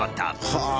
はあ！